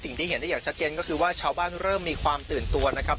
เห็นได้อย่างชัดเจนก็คือว่าชาวบ้านเริ่มมีความตื่นตัวนะครับ